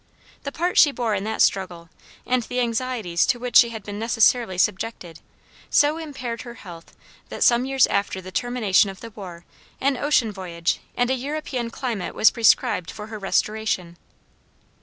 The part she bore in that struggle, and the anxieties to which she had been necessarily subjected, so impaired her health that some years after the termination of the war an ocean voyage and a European climate was prescribed for her restoration.